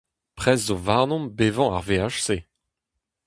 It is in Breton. Prez zo warnomp bevañ ar veaj-se !